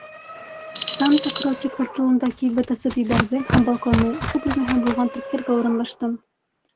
Санта Кроче кварталында кибет асып ебәрҙем һәм балконы, ике бүлмәһе булған трактирға урынлаштым.